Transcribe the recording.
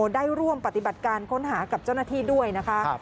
ได้ร่วมปฏิบัติการค้นหากับเจ้าหน้าที่ด้วยนะคะ